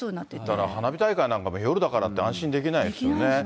だから花火大会なんかも夜だからって安心できないですよね。